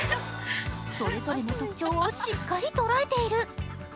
それぞれの特徴をしっかり捉えている。